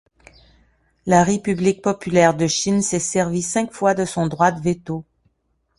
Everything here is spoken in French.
La République populaire de Chine s'est servi cinq fois de son droit de veto.